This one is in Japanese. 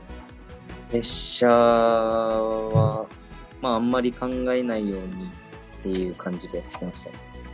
プレッシャーはあんまり考えないようにっていう感じでしてました。